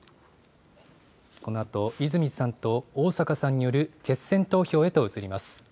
このあと、泉さんと逢坂さんによる決選投票へと移ります。